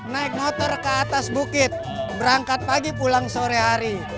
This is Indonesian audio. naik motor ke atas bukit berangkat pagi pulang sore hari